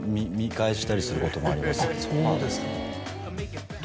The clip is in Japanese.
あっそうですか。